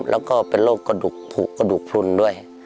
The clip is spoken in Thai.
แล้วก็เป็นโรคกระดูกผูกกระดูกพลุนด้วย